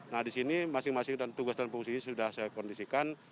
nah di sini masing masing dan tugas dan fungsi ini sudah saya kondisikan